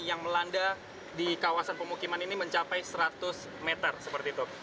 yang melanda di kawasan pemukiman ini mencapai seratus meter seperti itu